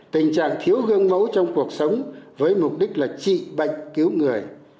tình trạng thiếu gương mẫu trong cuộc sống với mục đích là trị bệnh cứu người